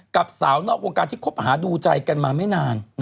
กับสาวนอกวงการที่คบหาดูใจกันมาไม่นาน